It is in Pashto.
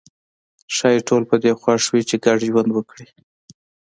ښايي ټول په دې خوښ وي چې ګډ ژوند وکړي.